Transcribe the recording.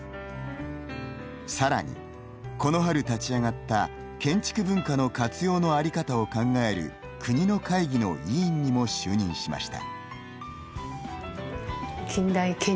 さらに、この春立ち上がった建築文化の活用のあり方を考える国の会議の委員にも就任しました。